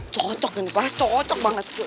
cocok ini pak cocok banget